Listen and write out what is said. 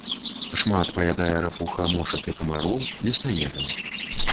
Шмат паядае рапуха мошак і камароў, лістаедаў.